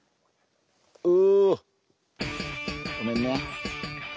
ごめんね。